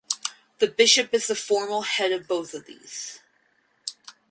The bishop is the formal head of both of these.